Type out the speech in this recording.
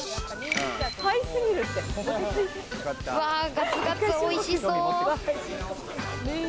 ガツガツおいしそう。